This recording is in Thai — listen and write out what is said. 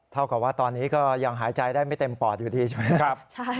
เท่ากับว่าตอนนี้ก็ยังหายใจได้ไม่เต็มปอดอยู่ดีใช่ไหมครับ